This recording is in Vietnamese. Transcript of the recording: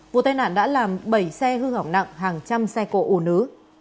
vụ tai nạn đã làm bảy xe hư hỏng nặng hàng trăm xe cộ ủ nứ